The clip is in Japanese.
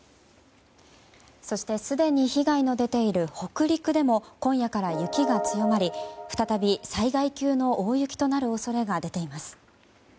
そしてすでに被害の出ている北陸でも今夜から雪が強まり、再び災害級の大雪となる恐れが出ています。